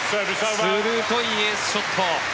鋭いエースショット。